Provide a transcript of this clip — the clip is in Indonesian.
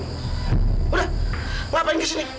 udah ngapain kesini